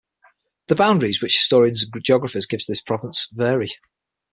The boundaries which historians and geographers give to this province vary.